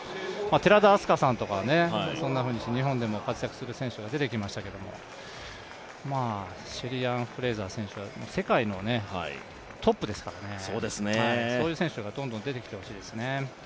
寺田明日香さんとかはそんなふうにして、日本でも活躍する選手が出てきましたけれども、シェリーアン・フレイザー・プライス選手は世界のトップですからね、そういう選手がどんどん出てきてほしいですね。